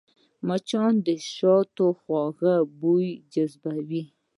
مچان د شاتو خوږ بوی ته جذبېږي